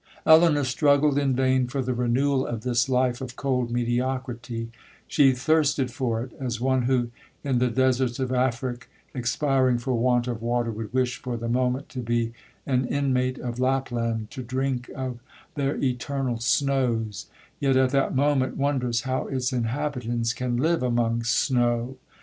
'Elinor struggled in vain for the renewal of this life of cold mediocrity,—she thirsted for it as one who, in the deserts of Afric, expiring for want of water, would wish for the moment to be an inmate of Lapland, to drink of their eternal snows,—yet at that moment wonders how its inhabitants can live among SNOW.